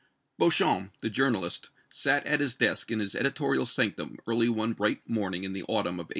Beauchamp, the journalist, sat at his desk in his editorial sanctum early one bright morning in the autumn of 1841.